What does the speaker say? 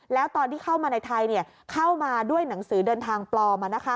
แล้วตอนที่เข้ามาในไทยเข้ามาด้วยหนังสือเดินทางปลอม